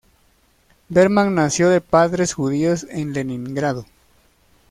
Berman nació de padres judíos en Leningrado.